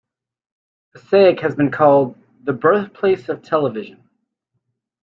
Passaic has been called "The Birthplace of Television".